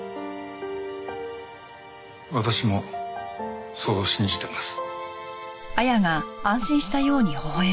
私もそう信じてます。